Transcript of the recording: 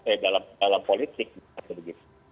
eh dalam politik gitu